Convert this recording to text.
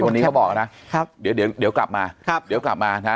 วันนี้เขาบอกนะเดี๋ยวกลับมาเดี๋ยวกลับมานะ